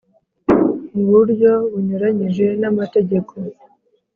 mu buryo bunyuranije n’amategeko